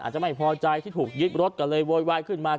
จะไม่พอใจที่ถูกยึดรถก็เลยโวยวายขึ้นมา